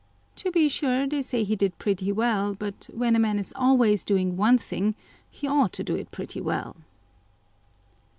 To be sure, they say he did pretty well ; but when a man is always doing one thing, he ought to do it pretty well."